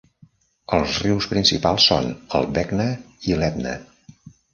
Els rius principals són el Begna i l'Etna.